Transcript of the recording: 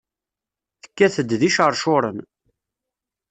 Tekkat-d d iceṛcuren.